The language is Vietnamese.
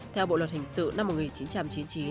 theo bộ luật hình sự năm một nghìn chín trăm chín mươi chín